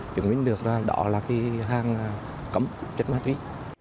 chứng minh được rằng đó là hàng cấm chất ma túy